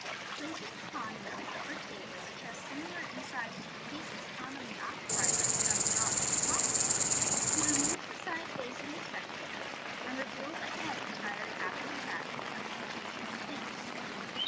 * Placing upon an uncovered table a chest similar in size to the cases commonly occupied by stuffed dogs or foxes, he removes the side facing the spectators, and reveals a head attired after the fashion of an Egyptian Sphinx.